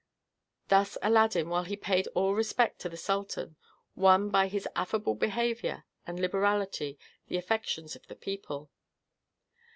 Thus Aladdin, while he paid all respect to the sultan, won by his affable behavior and liberality the affections of the people.